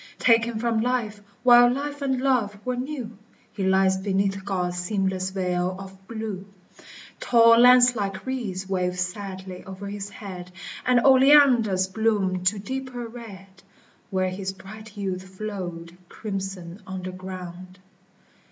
Taken from life while life and love were new, He lies beneath God's seamless veil of blue ; Tall lance like reeds wave sadly o'er his head, And oleanders bloom to deeper red, Where his bright youth flowed crimson on the ground.